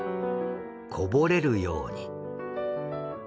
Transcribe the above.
こぼれるように。